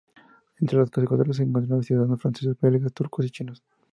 Entre los secuestrados se encontraron ciudadanos franceses, belgas, turcos y chinos.